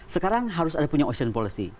sekarang harus ada punya ocean policy